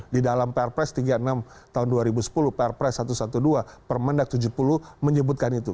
di dalam pr press tiga puluh enam tahun dua ribu sepuluh pr press satu ratus dua belas permendag tujuh puluh menyebutkan itu